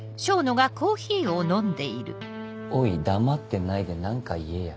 おい黙ってないで何か言えや。